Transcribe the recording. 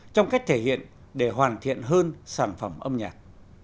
trong cách thể hiện để hoàn thiện hơn sản phẩm âm nhạc